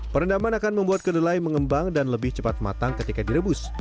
perendaman akan membuat kedelai mengembang dan lebih cepat matang ketika direbus